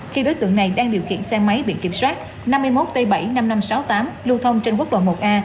khi đối tượng này đang điều khiển xe máy biển kiểm soát năm mươi một t bảy mươi năm nghìn năm trăm sáu mươi tám lưu thông trên quốc lộ một a